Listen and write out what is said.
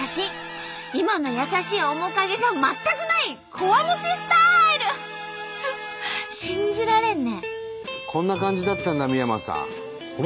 今の優しい面影が全くない信じられんね。